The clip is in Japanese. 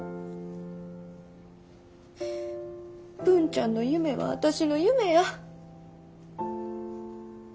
文ちゃんの夢は私の夢や。